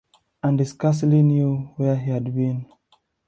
And he scarcely knew where he had been.